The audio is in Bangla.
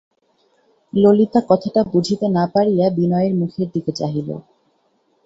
ললিতা কথাটা বুঝিতে না পারিয়া বিনয়ের মুখের দিকে চাহিল।